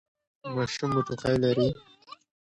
ماشوم مو ټوخی لري؟